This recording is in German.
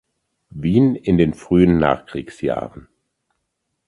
Wien in den frühen Nachkriegsjahren.